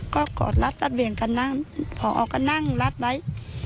ก็กอดรัดรัดเหวี่ยงกันนั่งพอก็นั่งรัดไว้